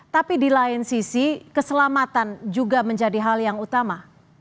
tapi di lain sisi keselamatan juga menjadi hal yang utama